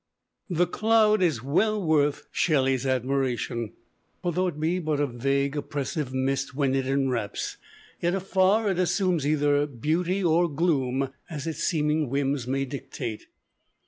The cloud is well worth Shelley's admiration; for though it be but a vague oppressive mist when it enwraps, yet afar it assumes either beauty or gloom, as its seeming whims may dictate.